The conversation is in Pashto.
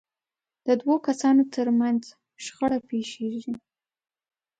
د دوو کسانو ترمنځ شخړه پېښېږي.